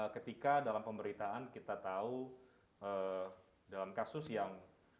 ketika dalam pemberitaan kita tahu dalam kasus yang